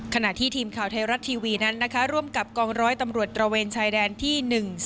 ขณะที่ทีมข่าวไทยรัฐทีวีนั้นนะคะร่วมกับกองร้อยตำรวจตระเวนชายแดนที่๑๔